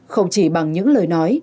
không chỉ bằng những lời nói